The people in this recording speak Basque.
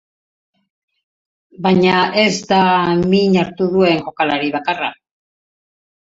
Baina ez da min hartu duen jokalari bakarra.